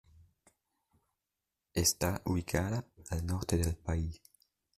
Está ubicada al norte del país.